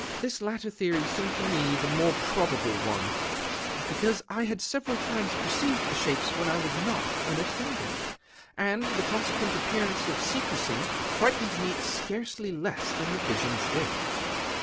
This latter theory seemed to me the more probable one, because I had several times perceived the shapes when I was not unattended; and the consequent appearance of secrecy frightened me scarcely less than the visions did.